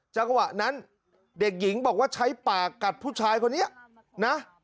จังหวะนั้นเด็กหญิงบอกว่าใช้ปากกัดผู้ชายคนนี้นะ